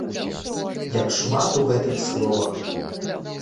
Як шмат у гэтых словах!